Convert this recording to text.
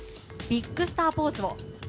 ビッグスターポーズを。